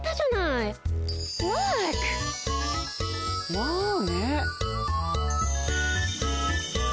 まあね。